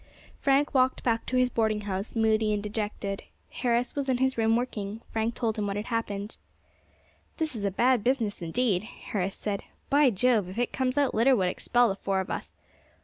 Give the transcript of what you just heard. Frank walked back to his boarding house, moody and dejected. Harris was in his room working. Frank told him what had happened. "This is a bad business indeed," Harris said. "By Jove! if it comes out, Litter would expel the four of us.